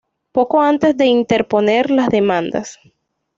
poco antes de interponer las demandas